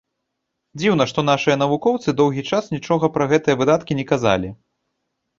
Дзіўна, што нашыя навукоўцы доўгі час нічога пра гэтыя выдаткі не казалі.